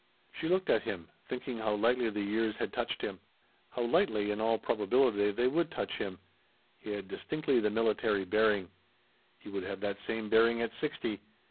She looked at him, thinking how lightly the years had touched him how lightly, in all probability, they would touch him. He had distinctly the military bearing. He would have that same bearing at sixty.